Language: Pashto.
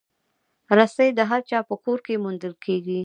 رسۍ د هر چا په کور کې موندل کېږي.